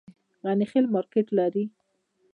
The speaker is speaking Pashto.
غني خیل مارکیټ لري؟